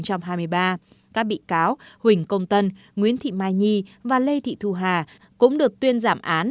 các bị cáo huỳnh công tân nguyễn thị mai nhi và lê thị thu hà cũng được tuyên giảm án